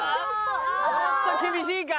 ちょっと厳しいか？